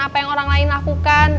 apa yang orang lain lakukan